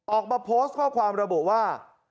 ออกมาโพสต์ข้อความระบุว่า